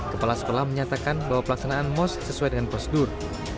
kepala sekolah menyatakan bahwa pelaksanaan mos sesuai dengan prosedur